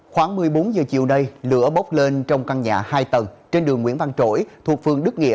khoảng một mươi bốn giờ chiều nay lửa bốc lên trong căn nhà hai tầng trên đường nguyễn văn trỗi thuộc phương đức nghịa